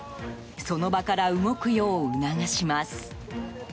その場から動くよう促します。